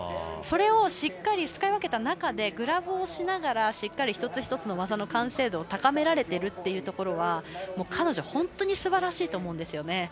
それを、しっかり使い分けた中でグラブしながらしっかり一つ一つの技の完成度を高められているところは彼女、本当にすばらしいと思うんですね。